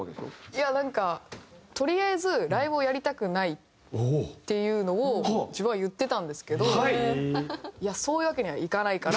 いやなんかとりあえず「ライブをやりたくない」っていうのを自分は言ってたんですけど「いやそういうわけにはいかないから！」。